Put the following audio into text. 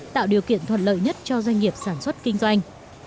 tạo điều kiện thuận lợi nhất cho doanh nghiệp sản xuất kinh doanh